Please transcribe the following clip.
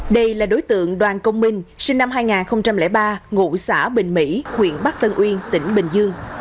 đây là đối tượng đoàn công minh sinh năm hai nghìn ba ngụ xã bình mỹ huyện bắc tân uyên tỉnh bình dương